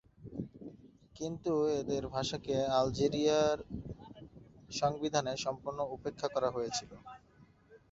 কিন্তু এদের ভাষাকে আলজেরিয়ার সংবিধানে সম্পূর্ণ উপেক্ষা করা হয়েছিল।